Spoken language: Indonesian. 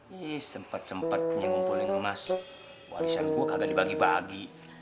ih sempet sempetnya ngumpulin emas warisan gua kagak dibagi bagi